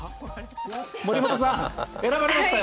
森本さん選ばれましたよ。